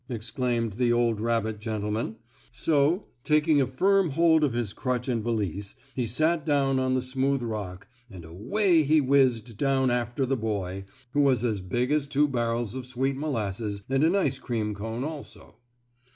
exclaimed the old rabbit gentleman, so, taking a firm hold of his crutch and valise he sat down on the smooth rock, and away he whizzed down after the boy who was as big as two barrels of sweet molasses and an ice cream cone also.